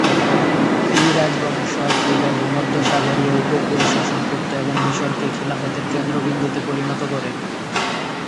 এই রাজবংশ আফ্রিকার ভূমধ্যসাগরীয় উপকূল শাসন করত এবং মিশরকে খিলাফতের কেন্দ্রবিন্দুতে পরিণত করে।